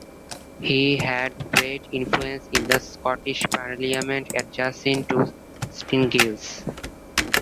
He had great influence in the Scottish Parliament adjacent to St Giles.